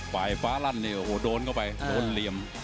ปลายฟ้ารันโดนเข้าไปโดนเหลี่ยม